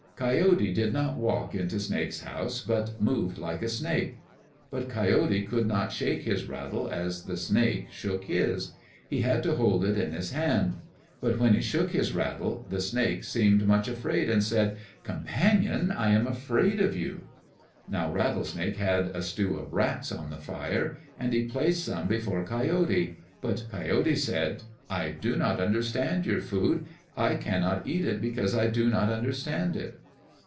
Coyote did not walk into Snake's house, but moved like a snake. But Coyote could not shake his rattle as the snake shook his. He had to hold it in his hand. But when he shook his rattle, the snake seemed much afraid, and said, "Companion, I am afraid of you." Now Rattlesnake had a stew of rats on the fire, and he placed some before Coyote. But Coyote said, "I do not understand your food. I cannot eat it because I do not understand it."